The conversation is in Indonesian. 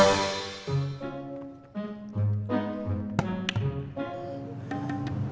kita harus berbicara